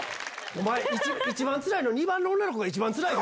お前、一番つらいの、２番の女の子が一番つらい。